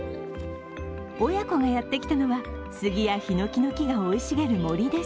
親子がやってきたのは杉やひのきの木が生い茂る森です。